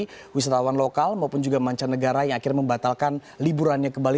akhirnya banyak sekali wisatawan lokal maupun juga mancanegara yang akhirnya membatalkan liburannya ke bali